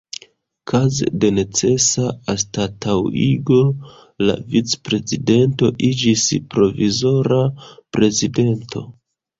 Kaze de necesa anstataŭigo la Vicprezidento iĝis Provizora Prezidento.